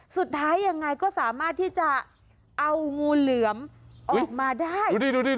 สุดท้ายยังไงก็สามารถที่จะเอางูเหลือมออกมาได้